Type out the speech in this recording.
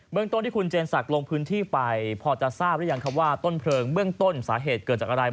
เบื้องตรงที่คุณเจนสักลงพื้นที่ไปพอจะทราบได้ยังว่าต้นเผลิงเบื้องต้นสาเหตุเกิดจากอะไร